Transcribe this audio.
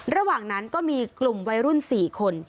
ระหว่างนั้นก็มีกลุ่มวัยรุ่น๔คน